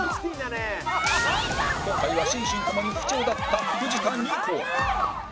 今回は心身ともに不調だった藤田ニコル